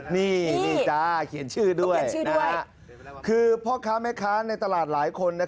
นี่จ้าเขียนชื่อด้วยคือพ่อค้าแม่ค้าในตลาดหลายคน